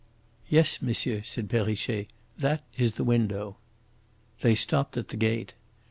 "Yes, m'sieur," said Perrichet; "that is the window." They stopped at the gate.